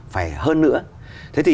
phải hơn nữa thế thì